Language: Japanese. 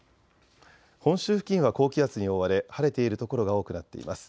本州付近は高気圧に覆われ晴れている所が多くなっています。